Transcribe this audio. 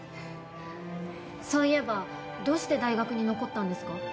そういえばどうして大学に残ったんですか？